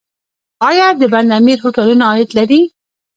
آیا د بند امیر هوټلونه عاید لري؟